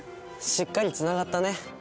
しっかりつながったね。